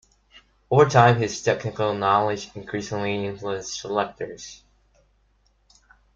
Over time his technical knowledge increasingly influenced selectors.